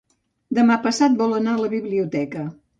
Demà passat vol anar a la biblioteca.